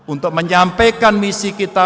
untuk menyampaikan misi kita